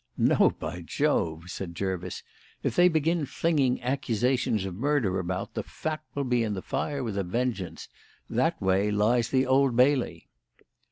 "No, by Jove!" said Jervis. "If they begin flinging accusations of murder about, the fat will be in the fire with a vengeance. That way lies the Old Bailey."